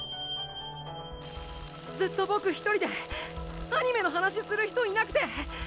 ずっとボク一人でアニメの話する人いなくて。